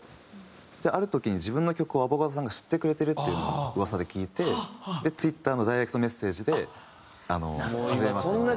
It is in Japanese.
ある時に自分の曲をアボガドさんが知ってくれてるっていうのを噂で聞いてＴｗｉｔｔｅｒのダイレクトメッセージで「はじめまして」みたいな。